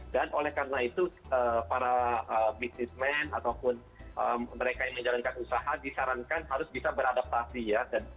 dan oleh karena itu para bisnismen ataupun mereka yang menjalankan usaha disarankan harus bisa beradaptasi ya